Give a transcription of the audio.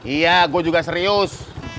iya gue juga serius